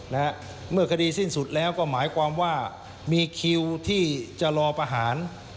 นะฮะเมื่อคดีสิ้นสุดแล้วก็หมายความว่ามีคิวที่จะรอประหาร